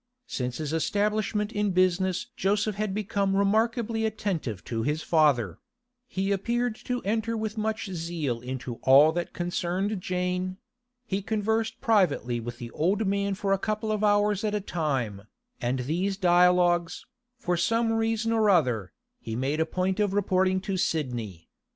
Since his establishment in business Joseph had become remarkably attentive to his father; he appeared to enter with much zeal into all that concerned Jane; he conversed privately with the old man for a couple of hours at a time, and these dialogues, for some reason or other, he made a point of reporting to Sidney.